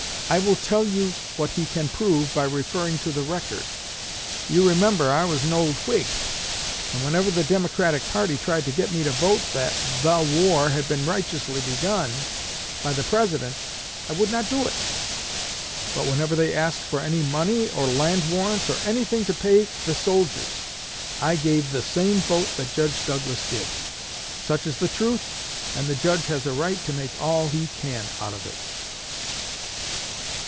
I will tell you what he can prove by referring to the record. You remember I was an old Whig; and whenever the Democratic party tried to get me to vote that the war had been righteously begun by the President, I would not do it. But whenever they asked for any money or land warrants, or anything to pay the soldiers, I gave the same vote that Judge Douglas did. Such is the truth, and the Judge has a right to make all he can out of it."